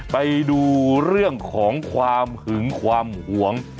ไปดูเรื่องของความหึงความหวง